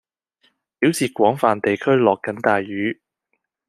表示廣泛地區落緊大雨